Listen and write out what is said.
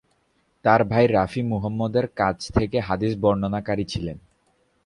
তার ভাই রাফি মুহাম্মদের কাছ থেকে হাদীস বর্ণনাকারী ছিলেন।